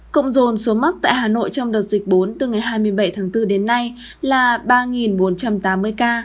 cộng dồn số mắc tại hà nội trong đợt dịch bốn từ ngày hai mươi bảy tháng bốn đến nay là ba bốn trăm tám mươi ca